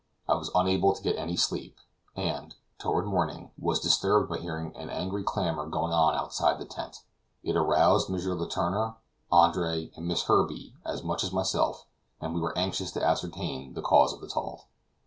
I was unable to get any sleep, and, toward morning, was disturbed by hearing an angry clamor going on outside the tent; it aroused M. Letourneur, Andre, and Miss Herbey, as much as myself, and we were anxious to ascertain the cause of the tumult.